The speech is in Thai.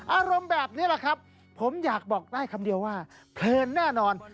อารมณ์แบบนี้แหละครับผมอยากบอกได้คำเดียวว่าเพลินแน่นอน